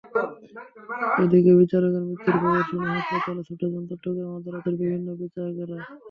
এদিকে বিচারকের মৃত্যুর খবর শুনে হাসপাতালে ছুটে যান চট্টগ্রাম আদালতের বিভিন্ন বিচারকেরা।